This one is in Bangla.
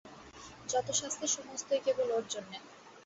যত শাস্তি সমস্তই কেবল ওঁর জন্যে।